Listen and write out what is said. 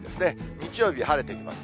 日曜日、晴れていきます。